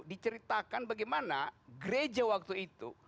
diceritakan bagaimana gereja waktu itu